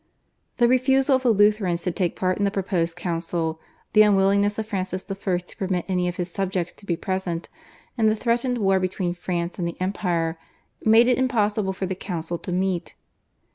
The refusal of the Lutherans to take part in the proposed council, the unwillingness of Francis I. to permit any of his subjects to be present, and the threatened war between France and the Empire, made it impossible for the council to meet.